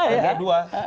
yang kedua yang kedua